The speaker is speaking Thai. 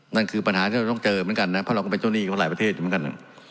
นั่นคือปัญหาที่เราต้องเจอเหมือนกันนะเพราะเราก็เป็นเจ้าหนี้ของหลายประเทศอยู่เหมือนกัน